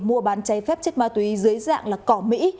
mua bán cháy phép chất ma túy dưới dạng là cỏ mỹ